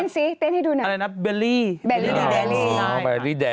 สนุกไหม